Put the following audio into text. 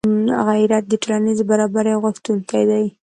غیرت د ټولنیز برابري غوښتونکی دی